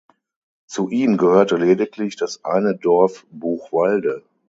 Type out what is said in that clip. Zu ihm gehörte lediglich das eine Dorf Buchwalde.